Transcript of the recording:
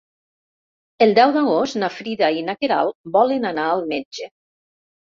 El deu d'agost na Frida i na Queralt volen anar al metge.